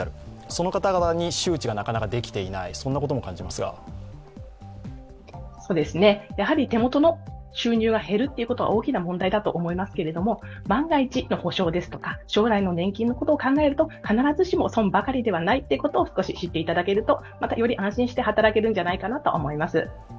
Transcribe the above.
その方々に周知がなかなかできていない、手元の収入が減るということは大きな問題だと思いますけれども、万が一の保障ですとか将来の年金を考えると必ずしも損ばかりではないことを少し知っていただけると、より安心して働けるんじゃないかと思います。